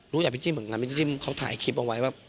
รู้จักพี่จิ้มงานพี่จิ้มเขาถ่ายคลิปเอาไว้ว่า